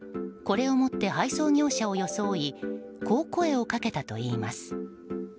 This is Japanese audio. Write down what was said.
これを持って配送業者を装いこう声をかけたといいます。